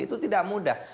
itu tidak mudah